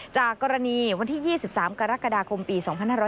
จากกรณีวันที่๒๓กรกฎาคมปี๒๕๖๐